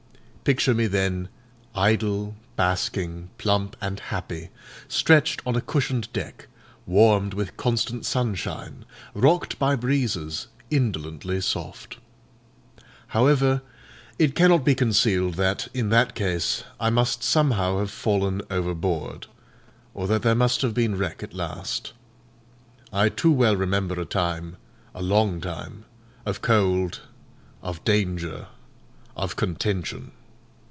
Picture me then idle, basking, plump, and happy, stretched on a cushioned deck, warmed with constant sunshine, rocked by breezes indolently soft. However, it cannot be concealed that, in that case, I must somehow have fallen overboard, or that there must have been wreck at last. I too well remember a time—a long time—of cold, of danger, of contention.